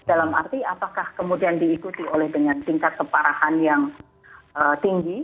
dalam arti apakah kemudian diikuti oleh dengan tingkat keparahan yang tinggi